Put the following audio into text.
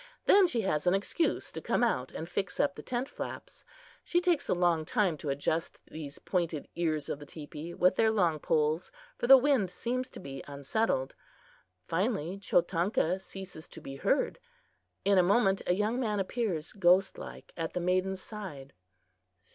Then she has an excuse to come out and fix up the tent flaps. She takes a long time to adjust these pointed ears of the teepee, with their long poles, for the wind seems to be unsettled. Finally Chotanka ceases to be heard. In a moment a young man appears ghost like at the maiden's side.